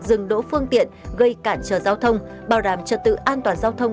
dừng đỗ phương tiện gây cản trở giao thông bảo đảm trật tự an toàn giao thông